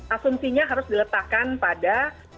asumsinya harus diletakkan pada